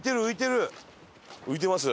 浮いてます？